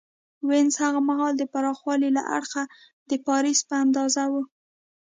وینز هغه مهال د پراخوالي له اړخه د پاریس په اندازه و